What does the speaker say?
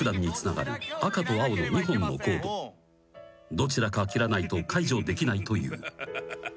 ［どちらか切らないと解除できないという］